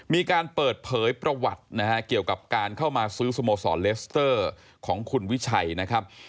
มีการเปิดเผยประวัตินะฮะเกี่ยวกับการเข้ามาซื้อสโมสรเลสเตอร์ของคุณวิชัยนะครับ